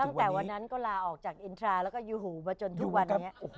ตั้งแต่วันนั้นก็ลาออกจากอินทราแล้วก็ยูหูมาจนทุกวันนี้